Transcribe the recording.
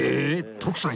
徳さん